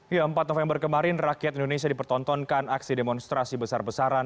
ya empat november kemarin rakyat indonesia dipertontonkan aksi demonstrasi besar besaran